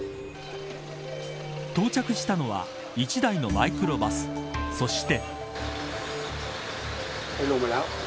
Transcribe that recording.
到着したのは１台のマイクロバスそして。